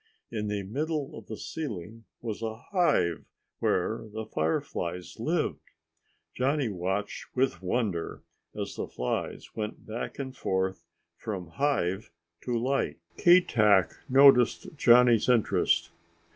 In the middle of the ceiling was a hive where the fireflies lived. Johnny watched with wonder as the flies went back and forth from hive to light. Keetack noticed Johnny's interest.